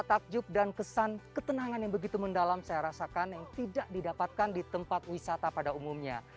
takjub dan kesan ketenangan yang begitu mendalam saya rasakan yang tidak didapatkan di tempat wisata pada umumnya